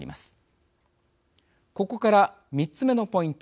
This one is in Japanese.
ここから３つ目のポイント